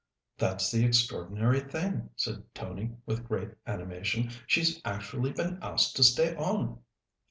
"That's the extraordinary thing," said Tony with great animation. "She's actually been asked to stay on."